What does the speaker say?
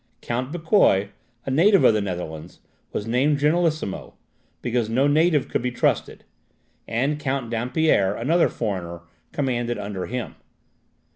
Count Bucquoi, a native of the Netherlands, was named generalissimo, because no native could be trusted, and Count Dampierre, another foreigner, commanded under him.